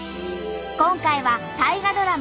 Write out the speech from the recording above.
今回は大河ドラマ